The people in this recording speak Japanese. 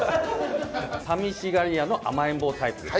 さみしがりやの甘えん坊タイプです。